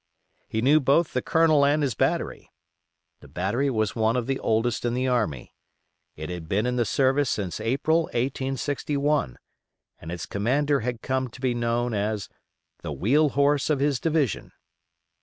He knew both the Colonel and his battery. The battery was one of the oldest in the army. It had been in the service since April, 1861, and its commander had come to be known as "The Wheel Horse of his division".